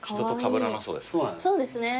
そうですね。